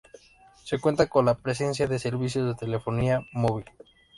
Se cuenta con la presencia de servicios de telefonía móvil.